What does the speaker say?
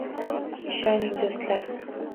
Ishoning do‘stlar